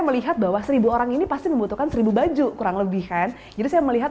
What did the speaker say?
melihat bahwa seribu orang ini pasti membutuhkan seribu baju kurang lebih kan jadi saya melihat